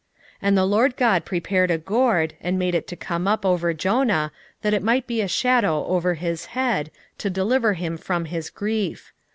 4:6 And the LORD God prepared a gourd, and made it to come up over Jonah, that it might be a shadow over his head, to deliver him from his grief.